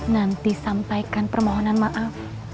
nanti sampaikan permohonan maaf